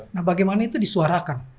nah bagaimana itu disuarakan